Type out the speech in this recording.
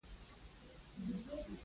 تر ننه د ملي شعور خبره د مرغۍ پۍ ده.